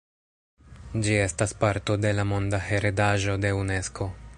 Ĝi estas parto de la monda heredaĵo de Unesko.